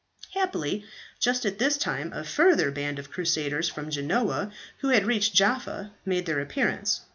"Happily just at this time a further band of crusaders from Genoa, who had reached Jaffa, made their appearance.